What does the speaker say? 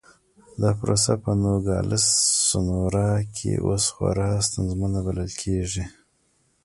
دا پروسه په نوګالس سونورا کې اوس خورا ستونزمنه بلل کېږي.